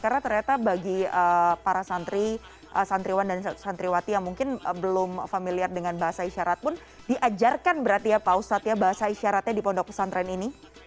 karena ternyata bagi para santri santriwan dan santriwati yang mungkin belum familiar dengan bahasa isyarat pun diajarkan berarti ya pak ustadz bahasa isyaratnya di pondok pesantren ini